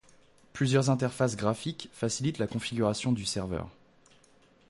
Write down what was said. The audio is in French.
Plusieurs interfaces graphiques facilitent la configuration du serveur.